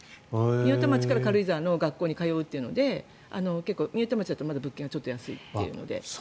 御代田町から軽井沢の学校に行くというので結構、御代田町だと物件がちょっと安いというので。